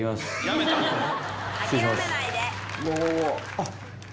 あっ！